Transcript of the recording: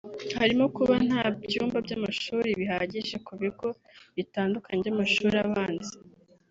harimo kuba nta byumba by’amashuri bihagije ku bigo bitandukanye by’amashuri abanza